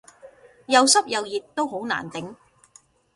又濕又熱都好難頂